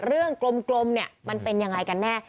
เรื่องกลมมันเป็นอย่างไรกันแน่